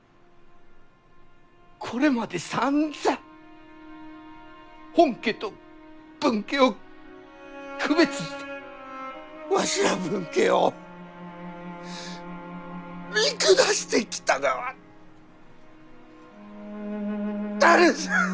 これまでさんざん本家と分家を区別してわしら分家を見下してきたがは誰じゃ。